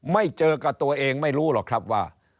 ไม่เจอกับตัวเองไม่รู้หรอกครับว่า